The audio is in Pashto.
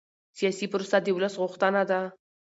سیاسي پروسه د ولس غوښتنه ده